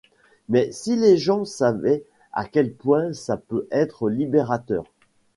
Mais si les gens savaient à quel point ça peut être libérateur.